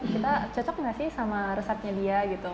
kita cocok gak sih sama resepnya dia gitu